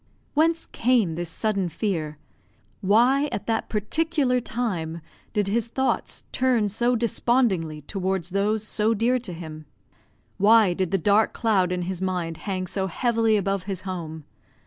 Whence came this sudden fear? Why at that particular time did his thoughts turn so despondingly towards those so dear to him? Why did the dark cloud in his mind hang so heavily above his home?